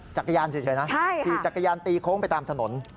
จักรยานเฉยนะขี่จักรยานตีโค้งไปตามถนน